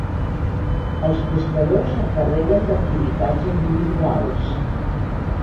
Els pescadors s'encarreguen d'activitats individuals.